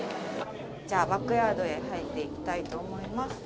じゃあバックヤードへ入っていきたいと思います。